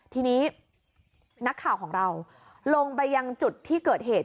ทีนี้นักข่าวของเราลงไปยังจุดที่เกิดเหตุ